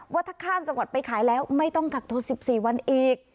ว่าถ้าข้ามจังหวัดไปขายแล้วไม่ต้องกักตัว๑๔วันอีก